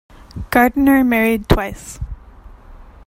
Gardiner married twice.